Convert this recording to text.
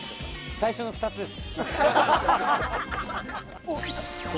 最初の２つです。